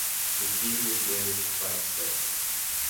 The team was managed by Slick.